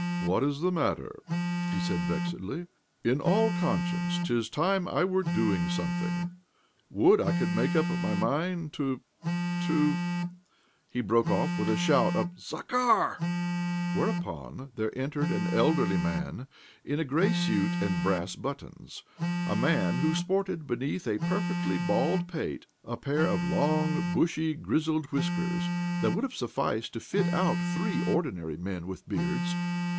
"What is the matter?" he said vexedly. " In all conscience 'tis time that I were doing something ! Would I could make up my mind to — to " He broke off with a shout of " Zakhar I " whereupon there entered an elderly man in a grey suit and brass buttons — a man who sported beneath a perfectly bald pate a pair of long, bushy, grizzled whiskers that would have sufficed to fit out three ordinary men with beards.